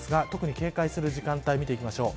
特に警戒する時間帯を見ていきます。